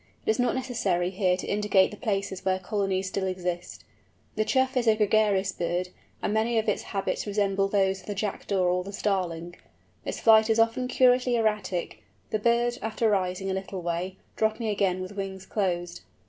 It is not necessary here to indicate the places where colonies still exist. The Chough is a gregarious bird, and many of its habits resemble those of the Jackdaw or the Starling. Its flight is often curiously erratic, the bird, after rising a little way, dropping again with wings closed.